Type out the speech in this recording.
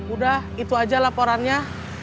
udah itu aja laporannya